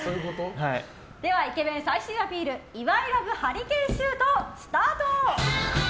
ではイケメン最終アピールイワイラブハリケーンシュートスタート！